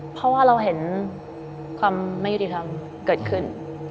เพราะว่าเราเห็นความไม่ยุติธรรมเกิดขึ้น